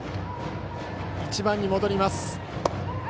１番に戻ります。